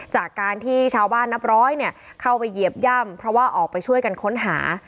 จากการที่ชาวบ้านนับร้อยเข้าไปเหยียบย่ำเพราะว่าออกไปช่วยกันค้นหา